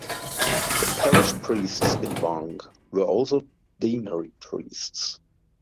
The parish priests in Vang were also deanery priests.